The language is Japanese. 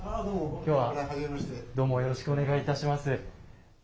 きょうは、どうもよろしくお願いいたします。